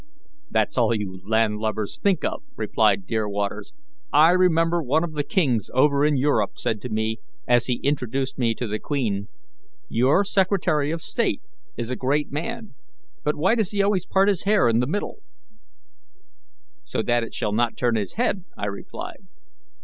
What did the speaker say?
"That's all you landlubbers think of," replied Deepwaters. "I remember one of the kings over in Europe said to me, as he introduced me to the queen: 'Your Secretary of State is a great man, but why does he always part his hair in the middle?' "'So that it shall not turn his head,' I replied.